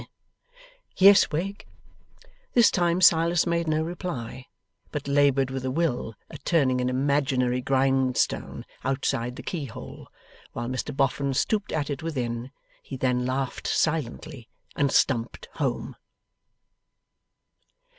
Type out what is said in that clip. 'Yes, Wegg.' This time Silas made no reply, but laboured with a will at turning an imaginary grindstone outside the keyhole, while Mr Boffin stooped at it within; he then laughed silently, and stumped home.